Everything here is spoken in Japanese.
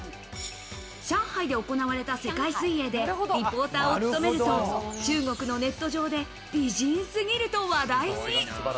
上海で行われた世界水泳でリポーターを務めると、中国のネット上で美人すぎると話題に。